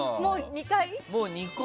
もう、２回？